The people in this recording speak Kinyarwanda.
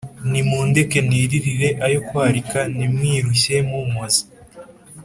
mundeke niririre ayo kwarika, ntimwirushye mumpoza,